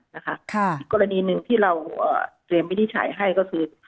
อีกกรณีหนึ่งที่เราเตรียมวินิจฉัยให้ก็คือ